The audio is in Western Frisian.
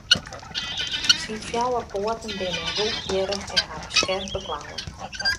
Syn fjouwer poaten binne rûchhierrich en hawwe skerpe klauwen.